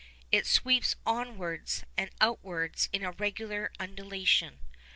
It sweeps onwards and outwards in a regular undulation.